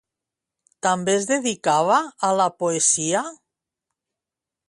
També es dedicava a la poesia?